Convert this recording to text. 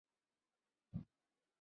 尹奉吉提倡女子读书。